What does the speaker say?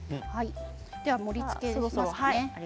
では盛りつけにいきますかね。